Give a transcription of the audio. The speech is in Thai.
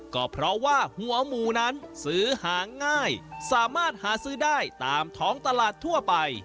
ก็เพราะว่าหัวหมูนั้นซื้อหาง่ายสามารถหาซื้อได้ตามท้องตลาดทั่วไป